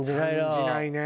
感じないね